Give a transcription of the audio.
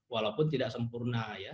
walaupun tidak sempurna ya